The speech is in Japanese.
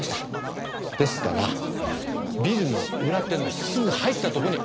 ですからビルの裏手のすぐ入ったとこに落ちてたんですよ。